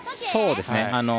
そうですね。